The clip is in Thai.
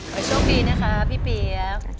ขอโชคดีนะครับพี่ปี๋